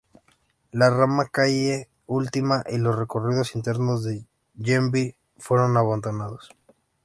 El ramal Calle Última y los recorridos internos de Ñemby fueron abandonados.